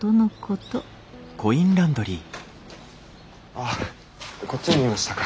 ああこっちにいましたか。